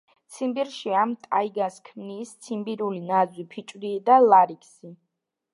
ციმბირში ამ ტაიგას ქმნის ციმბირული ნაძვი, ფიჭვი და ლარიქსი.